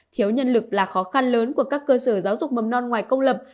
thiếu nhân lực là khó khăn lớn của các cơ sở giáo dục mầm non ngoài công lập